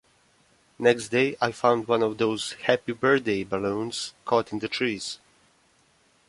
Next day I found one of those "Happy Birthday" balloons caught in the trees.